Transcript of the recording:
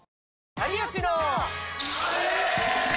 有吉の。